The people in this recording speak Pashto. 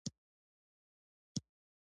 د ښوونکي ورځ لمانځل کیږي.